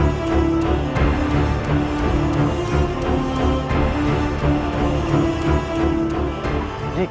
aku lupa aku lupa aku lupa